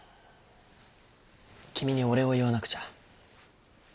君にお礼を言わなくちゃ。